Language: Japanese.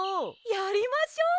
やりましょう！